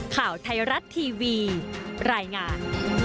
ข่าวไทยรัฐทีวีรายงาน